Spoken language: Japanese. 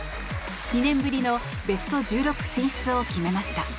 ２年ぶりのベスト１６進出を決めました。